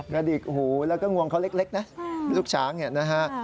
กระดิกหูแล้วก็งวงเขาเล็กนะลูกช้างเนี่ยนะฮะ